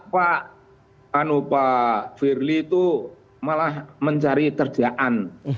pak anu pak firly itu malah mencari kerjaan